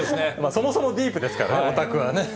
そもそもディープですからね、オタクはね。